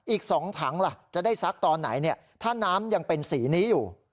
อีก๒ถังล่ะจะได้ซักตอนไหนถ้าน้ำยังเป็นสีนี้อยู่